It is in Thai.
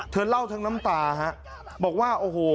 เล่าทั้งน้ำตาฮะบอกว่าโอ้โห